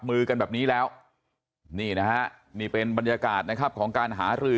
มือกันแบบนี้แล้วนี่นะฮะนี่เป็นบรรยากาศนะครับของการหารือ